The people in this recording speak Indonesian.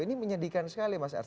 ini menyedihkan sekali mas ars